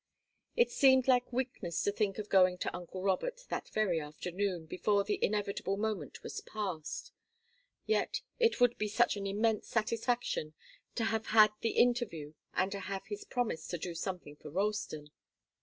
It seemed like weakness to think of going to uncle Robert that very afternoon, before the inevitable moment was past. Yet it would be such an immense satisfaction to have had the interview and to have his promise to do something for Ralston.